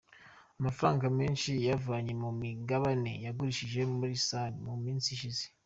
Amafaranga menshi yayavanye mu migabane yagurishije muri Sony mu minsi ishize.